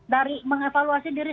dari mengevaluasi diri